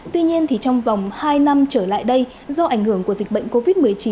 tuy nhiên trong vòng hai năm trở lại đây do ảnh hưởng của dịch bệnh covid một mươi chín